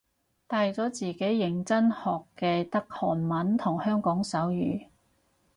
大咗自己認真學嘅得韓文同香港手語